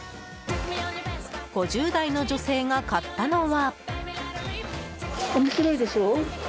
５０代の女性が買ったのは。